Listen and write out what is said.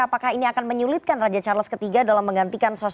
apakah ini akan menyulitkan raja charles iii dalam menggantikan sosok